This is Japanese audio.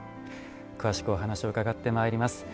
詳しくお話を伺ってまいります。